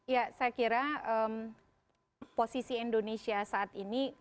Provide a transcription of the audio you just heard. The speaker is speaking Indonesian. ya saya kira posisi indonesia saat ini